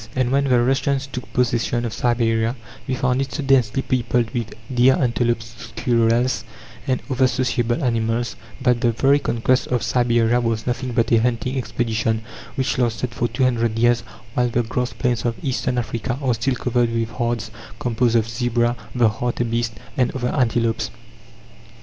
And when the Russians took possession of Siberia they found it so densely peopled with deer, antelopes, squirrels, and other sociable animals, that the very conquest of Siberia was nothing but a hunting expedition which lasted for two hundred years; while the grass plains of Eastern Africa are still covered with herds composed of zebra, the hartebeest, and other antelopes.